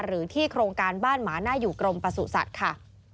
หรือที่โครงการบ้านหมาหน้าอยู่กรมประสุทธิ์สัตว์ค่ะ